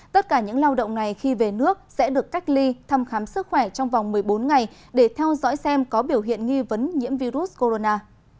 tất cả những lao động này khi về nước sẽ được cách ly thăm khám sức khỏe trong vòng một mươi bốn ngày để theo dõi xem có biểu hiện nghi vấn nhiễm virus corona